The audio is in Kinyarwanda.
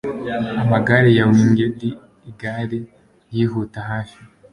Amagare ya wingèd igare yihuta hafi